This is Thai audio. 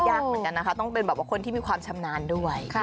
ยากเหมือนกันนะคะต้องเป็นแบบว่าคนที่มีความชำนาญด้วย